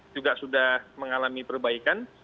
juga sudah mengalami perbaikan